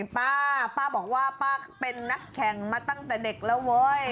ป้าป้าบอกว่าป้าเป็นนักแข่งมาตั้งแต่เด็กแล้วเว้ย